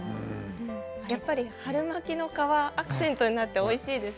やっぱり春巻きの皮がアクセントになっておいしいです。